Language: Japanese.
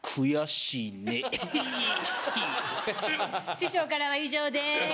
師匠からは以上です。